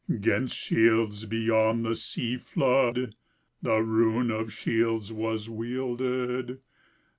'Gainst shields beyond the sea flood The ruin of shields was wielded.